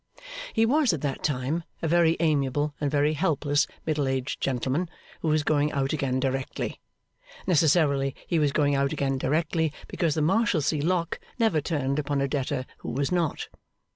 He was, at that time, a very amiable and very helpless middle aged gentleman, who was going out again directly. Necessarily, he was going out again directly, because the Marshalsea lock never turned upon a debtor who was not.